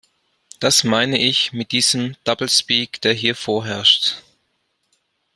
Das meine ich mit diesem doublespeak, der hier vorherrscht.